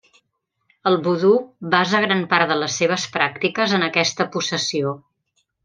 El vodú basa gran part de les seves pràctiques en aquesta possessió.